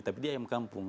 tapi dia ayam kampung